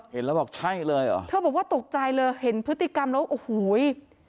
เห็นแล้วบอกใช่เลยเหรอเธอบอกว่าตกใจเลยเห็นพฤติกรรมแล้วโอ้โห